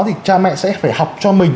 thì cha mẹ sẽ phải học cho mình